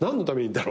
だろ？